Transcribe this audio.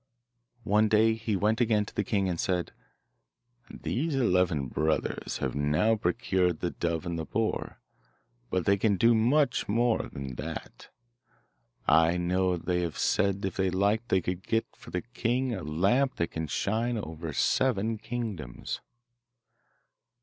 One day he went again to the king and said, 'These eleven brothers have now procured the dove and the boar, but they can do much more than that; I know they have said that if they liked they could get for the king a lamp that can shine over seven kingdoms.